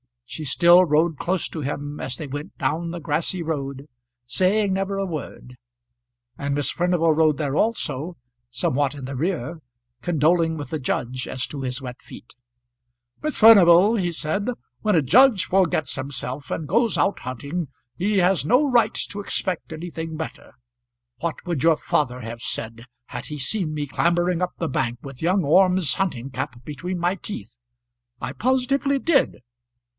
She still rode close to him as they went down the grassy road, saying never a word. And Miss Furnival rode there also, somewhat in the rear, condoling with the judge as to his wet feet. "Miss Furnival," he said, "when a judge forgets himself and goes out hunting he has no right to expect anything better. What would your father have said had he seen me clambering up the bank with young Orme's hunting cap between my teeth? I positively did."